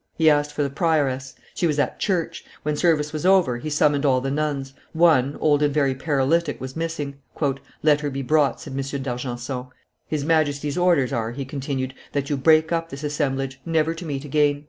He asked for the prioress; she was at church: when service was over, he summoned all the nuns; one, old and very paralytic, was missing. "Let her be brought," said M. d'Argenson. "His Majesty's orders are," he continued, "that you break up this assemblage, never to meet again.